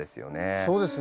そうですね。